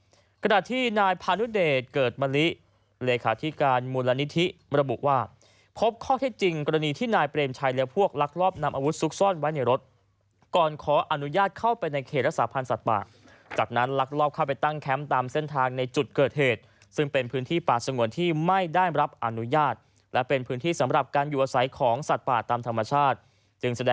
รากฏกระดาษที่นายพาณุเดชเกิดมาริเลขาที่การมูลนิธิมระบุว่าพบข้อที่จริงกรณีที่นายเปรมชัยและพวกลักลอบนำอาวุธซุกซ่อนไว้ในรถก่อนขออนุญาตเข้าไปในเขตรสาพันธ์สัตว์ป่าจากนั้นลักลอบเข้าไปตั้งแคมป์ตามเส้นทางในจุดเกิดเหตุซึ่งเป็นพื้นที่ป่าสงวนที่ไม่ได้รับอนุญาตและเป็นพื